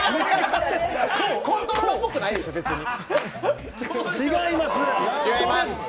コントローラーっぽくないでしょ、別に。